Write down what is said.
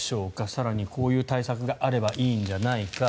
更にこういう対策があればいいんじゃないか。